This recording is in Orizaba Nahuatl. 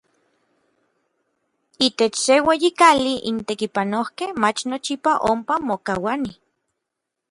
Itech se ueyi kali, n tekipanojkej mach nochipa ompa mokauanij.